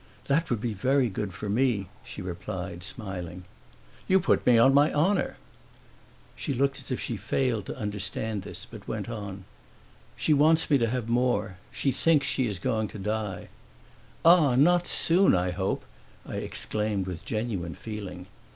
"That would be very good for me," she replied, smiling. "You put me on my honor!" She looked as if she failed to understand this, but went on: "She wants me to have more. She thinks she is going to die." "Ah, not soon, I hope!" I exclaimed with genuine feeling.